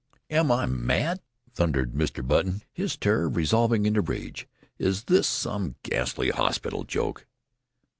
"Am I mad?" thundered Mr. Button, his terror resolving into rage. "Is this some ghastly hospital joke?